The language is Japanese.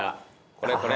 これこれ。